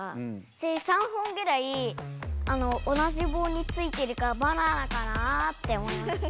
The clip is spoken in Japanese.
それに３本ぐらい同じぼうについてるからバナナかなあって思いました。